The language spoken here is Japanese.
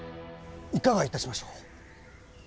いかがいたしましょう？